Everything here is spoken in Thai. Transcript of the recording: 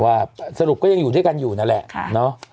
ว่าสรุปก็ยังอยู่ด้วยกันอยู่นั่นแหละ